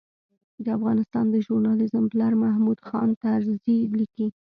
د افغانستان د ژورنالېزم پلار محمود خان طرزي لیکي.